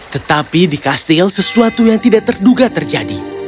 tetapi di kastil sesuatu yang tidak terduga terjadi